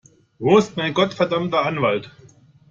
Wo ist mein gottverdammter Anwalt?